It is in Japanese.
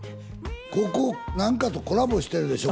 ここ何かとコラボしてるでしょ